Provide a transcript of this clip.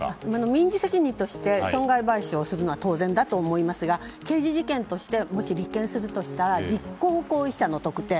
民事責任として損害賠償をするのは当然だと思いますが刑事事件としてもし立件するとしたら実行行為者の特定。